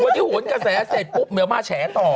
วันนี้หนกระแสเสร็จปุ๊บเดี๋ยวมาแฉต่อ